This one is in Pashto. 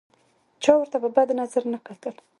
چا ورته په بد نظر نه کتل.